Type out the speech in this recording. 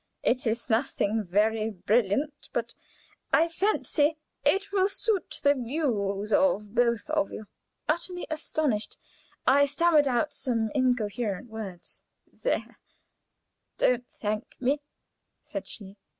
It is nothing very brilliant, but I fancy it will suit the views of both of you." Utterly astounded, I stammered out some incoherent words. "There, don't thank me," said she.